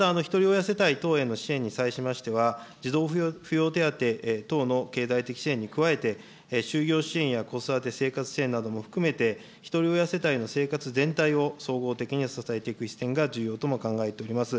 また、ひとり親世帯等への支援に際しましては、児童扶養手当等の経済的支援に加えて、就業支援や子育て生活支援なども含めて、ひとり親世帯の生活全体を総合的に支えていく視点が重要とも考えています。